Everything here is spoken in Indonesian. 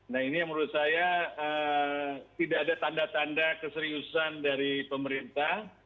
nah ini yang menurut saya tidak ada tanda tanda keseriusan dari pemerintah